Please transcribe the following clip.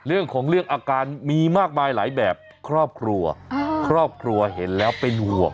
เรื่องของเรื่องอาการมีมากมายหลายแบบครอบครัวครอบครัวเห็นแล้วเป็นห่วง